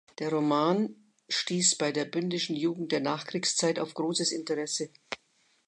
Der Roman stieß bei der Bündischen Jugend der Nachkriegszeit auf großes Interesse.